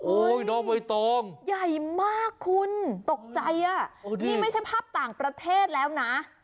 น้องใบตองใหญ่มากคุณตกใจอ่ะนี่ไม่ใช่ภาพต่างประเทศแล้วนะ